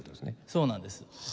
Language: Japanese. そうなんです。